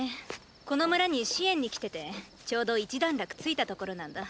この村に支援に来ててちょうど一段落ついたところなんだ。